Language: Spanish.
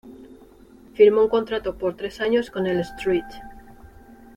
Firmó un contrato por tres años con el St.